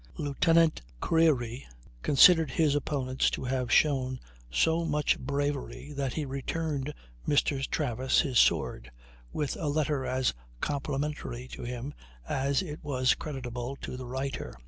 Lieutenant Creerie considered his opponents to have shown so much bravery that he returned Mr. Travis his sword, with a letter as complimentary to him as it was creditable to the writer.